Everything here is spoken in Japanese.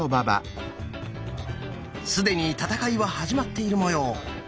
既に戦いは始まっているもよう。